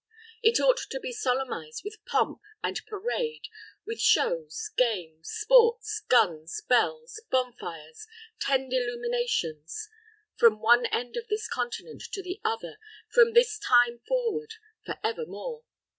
_ _It ought to be solemnized with pomp, and parade, with shows, games, sports, guns, bells, bonfires, tend illuminations, from one end of this continent to the other, from this time forward, for ever more.